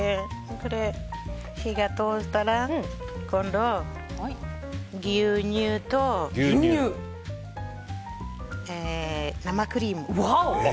火が通ったら今度は牛乳と生クリーム。